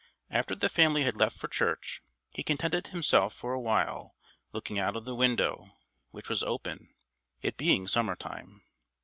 After the family had left for church he contented himself for a while looking out of the window, which was open, it being summer time.